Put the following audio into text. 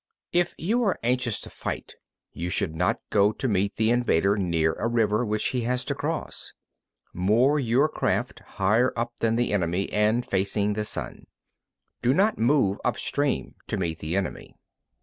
5. If you are anxious to fight, you should not go to meet the invader near a river which he has to cross. 6. Moor your craft higher up than the enemy, and facing the sun. Do not move up stream to meet the enemy.